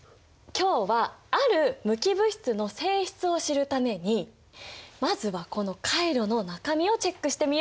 今日はある無機物質の性質を知るためにまずはこのカイロの中身をチェックしてみよう！